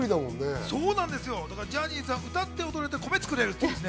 ジャニーズは歌って、踊れて、米つくれる。